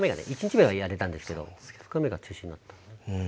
１日目はやれたんですけど２日目が中止になった。